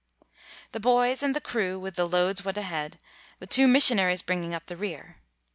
The boys and the crew with the loads went ahead, the two missionaries bringing up the rear.